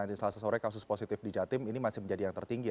nanti selasa sore kasus positif di jatim ini masih menjadi yang tertinggi